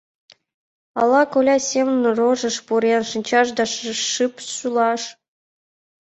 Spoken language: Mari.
Ала коля семын рожыш пурен шинчаш да шып шӱлаш?